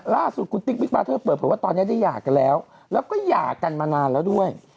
ล่าสุดคุณติ๊กบิ๊กบาเทอร์เปิดเผยว่าตอนนี้ได้หย่ากันแล้วแล้วก็หย่ากันมานานแล้วด้วย